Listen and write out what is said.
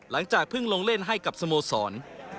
หลังจากเพิ่งลงเล่นให้กับสโมสร